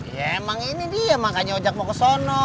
ya emang ini dia makanya ojek mau ke sana